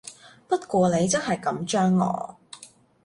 不過你真係緊張我